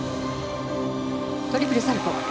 トリプルサルコウ。